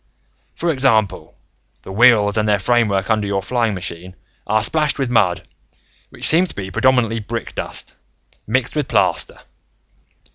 "For example, the wheels and their framework under your flying machine are splashed with mud which seems to be predominantly brick dust, mixed with plaster.